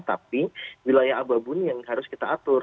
tapi wilayah abu abu ini yang harus kita atur